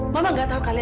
mama nggak tahu kalian